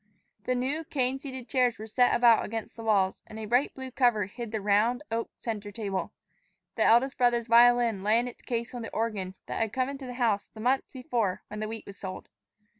The new cane seated chairs were set about against the walls, and a bright blue cover hid the round, oak center table. The eldest brother's violin lay in its case on the organ that had come into the house the month before when the wheat was sold.